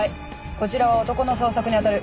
こちらは男の捜索に当たる。